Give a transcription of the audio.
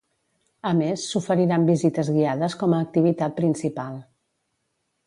A més, s'oferiran visites guiades com a activitat principal.